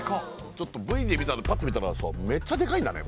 ちょっとＶで見たあとパッと見たらさめっちゃでかいんだね